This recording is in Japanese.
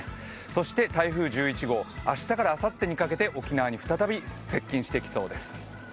そして台風１１号、明日からあさってにかけて、沖縄に再び接近してきそうです。